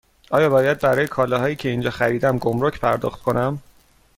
آیا باید برای کالاهایی که اینجا خریدم گمرگ پرداخت کنم؟